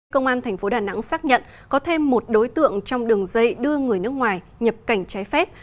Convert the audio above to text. công an thành phố đà nẵng xác nhận có thêm một đối tượng trong đường dây đưa người nước ngoài nhập cảnh trái phép